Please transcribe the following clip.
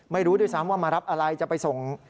ไม่รู้ด้วยซ้ำว่ามารับอะไรจะไปส่ง